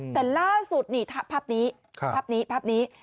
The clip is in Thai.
แต่ล่าสุดนี่ภาพนี้ภาพนี้ภาพนี้